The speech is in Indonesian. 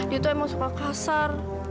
itu emang suka kasar